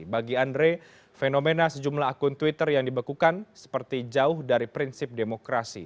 bagi andre fenomena sejumlah akun twitter yang dibekukan seperti jauh dari prinsip demokrasi